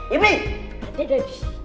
ada di sini